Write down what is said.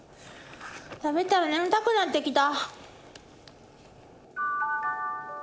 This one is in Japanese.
食べたら眠たくなってきた！